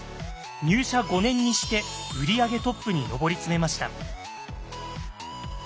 入社５年にして売り上げトップに上り詰めました。